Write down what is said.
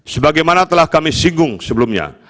sebagaimana telah kami singgung sebelumnya